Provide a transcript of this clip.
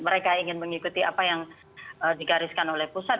mereka ingin mengikuti apa yang digariskan oleh pusat